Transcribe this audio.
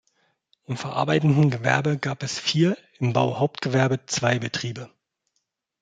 Im verarbeitenden Gewerbe gab es vier, im Bauhauptgewerbe zwei Betriebe.